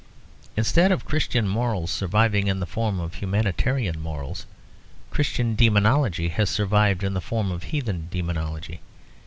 Instead of Christian morals surviving in the form of humanitarian morals, Christian demonology has survived in the form of heathen demonology.